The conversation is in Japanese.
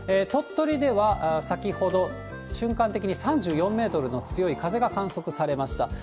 鳥取では先ほど瞬間的に３４メートルの強い風が観測されました。